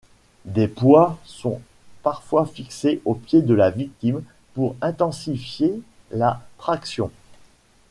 Des poids sont parfois fixés aux pieds de la victime pour intensifier la traction.